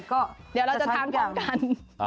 เดี๋ยวเราจะทานความกัน